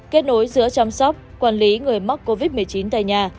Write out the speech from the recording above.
kết nối giữa chăm sóc quản lý người mắc covid một mươi chín tại nhà